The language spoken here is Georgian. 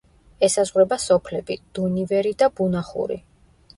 ესაზღვრება სოფლები: დუნივერი და ბუნახური.